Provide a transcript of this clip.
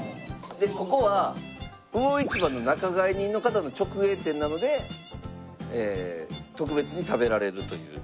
ここは魚市場の仲買人の方の直営店なので特別に食べられるという。